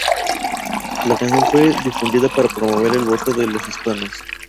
La canción fue difundida para promover el voto de los hispanos.